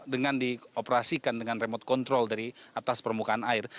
dengan dioperasikan dengan remote control dari atas permukaan air